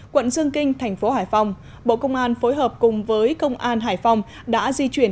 quận dương kinh thành phố hải phòng bộ công an phối hợp cùng với công an hải phòng đã di chuyển